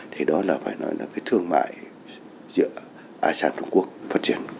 thì đó là phải nói là cái thương mại giữa asean trung quốc phát triển